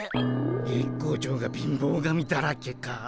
月光町が貧乏神だらけか。